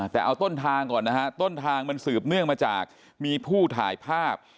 แต่เอาต้นทางก่อนนะฮะต้นทางมันสืบเนื่องมาจากมีผู้ถ่ายภาพ